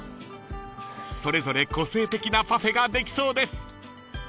［それぞれ個性的なパフェができそうです］